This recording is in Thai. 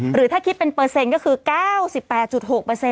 หรือถ้าคิดเป็นเปอร์เซ็นต์ก็คือ๙๘๖